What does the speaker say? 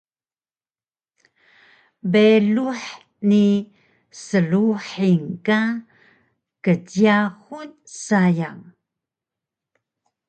beyluh ni sruhing ka kjyaxun sayang